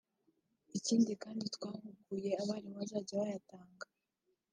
ikindi kandi twahuguye abarimu bazajya bayatanga